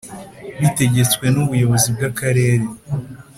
Bitegetswe n ubuyobozi bw akarere